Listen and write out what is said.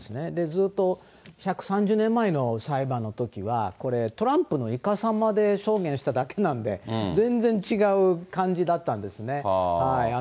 ずっと１３０年前の裁判のときは、これ、トランプのいかさまで証言しただけなんで、全然違う感じだったんですね。